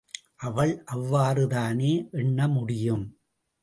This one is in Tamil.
அவள் அவ்வாறுதானே எண்ண முடியும்?